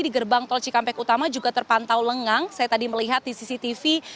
di gerbang tol cikampek utama juga terpantau lengang saya tadi melihat di cctv